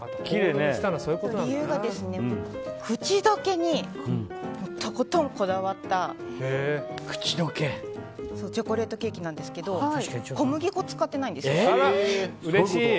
理由が口溶けにとことんこだわったチョコレートケーキなんですけど小麦粉を使っていないんですよ。